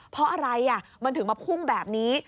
เพราะอะไรมันถึงมาพุ่งแบบนี้